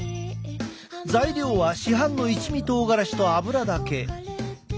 材料は市販の一味とうがらしと油だけ。